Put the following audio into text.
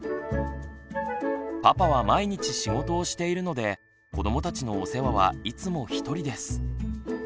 パパは毎日仕事をしているので子どもたちのお世話はいつも一人です。